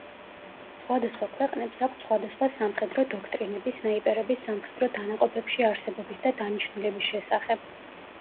სხვადასხვა ქვეყნებს აქვთ სხვადასხვა სამხედრო დოქტრინები სნაიპერების სამხედრო დანაყოფებში არსებობის და დანიშნულების შესახებ.